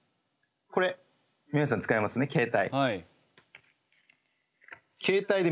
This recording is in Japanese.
これ皆さん使えますね携帯。